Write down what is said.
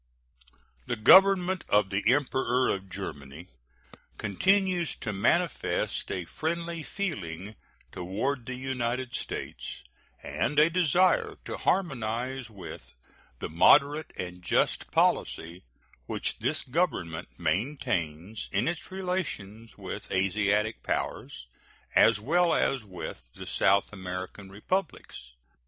The Government of the Emperor of Germany continues to manifest a friendly feeling toward the United States, and a desire to harmonize with the moderate and just policy which this Government maintains in its relations with Asiatic powers, as well as with the South American Republics.